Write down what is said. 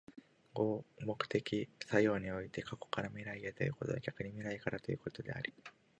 合目的的作用において、過去から未来へということは逆に未来からということであり、